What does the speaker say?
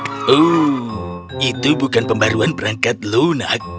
oh itu bukan pembaruan perangkat lunak